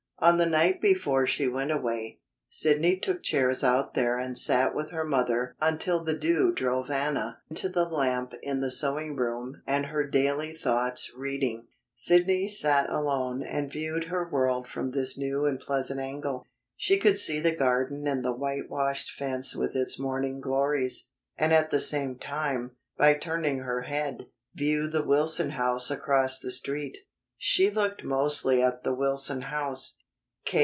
On the night before she went away, Sidney took chairs out there and sat with her mother until the dew drove Anna to the lamp in the sewing room and her "Daily Thoughts" reading. Sidney sat alone and viewed her world from this new and pleasant angle. She could see the garden and the whitewashed fence with its morning glories, and at the same time, by turning her head, view the Wilson house across the Street. She looked mostly at the Wilson house.